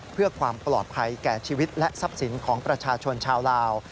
เพื่อความปลอดภัยแก่ชีวิตและทรัพย์สินของประชาชนชาวลาว